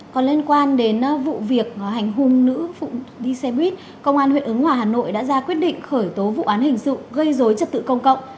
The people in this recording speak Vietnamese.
còn liên quan đến vụ việc hành hung nữ đi xe buýt công an huyện ứng hòa hà nội đã ra quyết định khởi tố vụ án hình sự gây dối trật tự công cộng